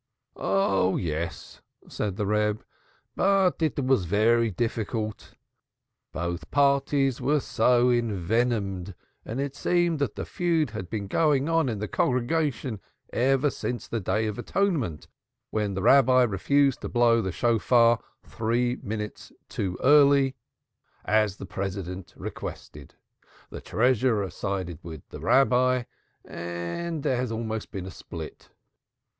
"Oh, yes," said the Reb; "but it was very difficult. Both parties were so envenomed, and it seems that the feud has been going on in the congregation ever since the Day of Atonement, when the minister refused to blow the Shofar three minutes too early, as the President requested. The Treasurer sided with the minister, and there has almost been a split."